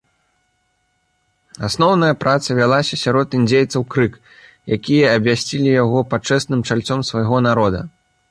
Асноўная праца вялася сярод індзейцаў крык, якія абвясцілі яго пачэсным чальцом свайго народа.